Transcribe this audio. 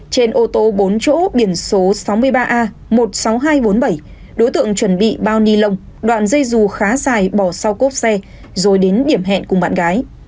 trên ô tô bốn chỗ biển số sáu mươi ba a một mươi sáu nghìn hai trăm bốn mươi bảy đối tượng chuẩn bị bao ni lông đoạn dây dù khá dài bỏ sau cốp xe rồi đến điểm hẹn cùng bạn gái